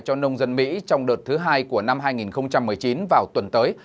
cho nông dân mỹ trong đợt thứ hai của năm hai nghìn một mươi chín vào tuần tới